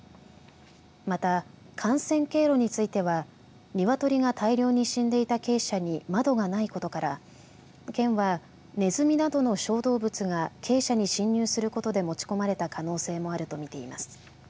また、感染経路については鶏が大量に死んでいた鶏舎に窓がないことから県は、ねずみなどの小動物が鶏舎に侵入することで持ち込まれた可能性もあると見ています。